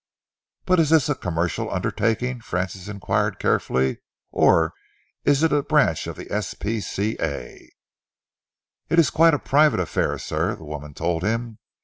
"But is this a commercial undertaking," Francis enquired carefully, "or is it a branch of the S.P.C.A.?" "It's quite a private affair, sir," the woman told him.